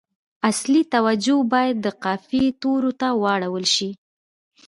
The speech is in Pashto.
اصلي توجه باید د قافیې تورو ته واړول شي.